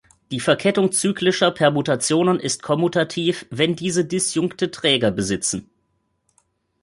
Die Verkettung zyklischer Permutationen ist kommutativ, wenn diese disjunkte Träger besitzen.